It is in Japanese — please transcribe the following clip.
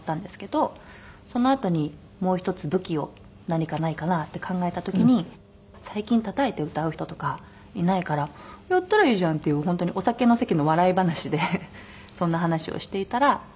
そのあとにもう一つ武器を何かないかなって考えた時に最近たたいて歌う人とかいないから「やったらいいじゃん！」っていう本当にお酒の席の笑い話でそんな話をしていたら。